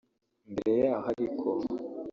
Mbere y’aho ariko